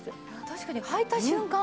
確かにはいた瞬間